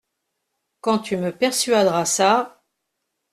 Quand tu me persuaderas ça…